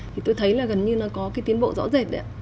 thì tôi thấy là gần như nó có cái tiến bộ rõ rệt đấy ạ